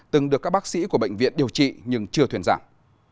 từng được các bác sĩ của bệnh viện điều trị nhưng chưa thuyền giảng